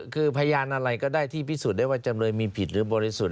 คือพยานอะไรก็ได้ที่พิสูจน์ได้ว่าจำเลยมีผิดหรือบริสุทธิ